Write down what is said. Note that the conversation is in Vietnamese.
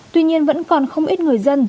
tuy nhiên vẫn còn không ít người dân